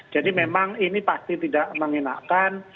jadi memang ini pasti tidak mengenakan